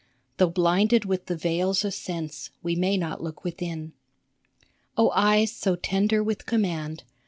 Though blinded with the veils of sense, We may not look within. Oh eyes so tender with command